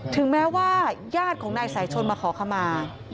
ถึงแม้ว่าญาติของนายสายชนมาขอขมา